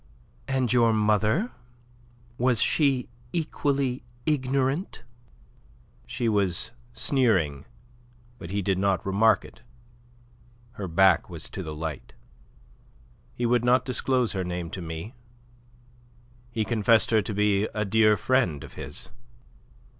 "And your mother, was she equally ignorant?" She was sneering, but he did not remark it. Her back was to the light. "He would not disclose her name to me. He confessed her to be a dear friend of his."